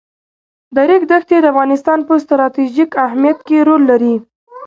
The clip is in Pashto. د ریګ دښتې د افغانستان په ستراتیژیک اهمیت کې رول لري.